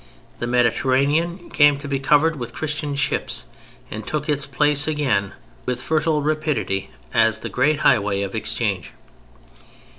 The Mediterranean came to be covered with Christian ships, and took its place again with fertile rapidity as the great highway of exchange.